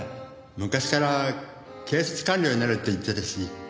昔から警察官僚になるって言ってたし。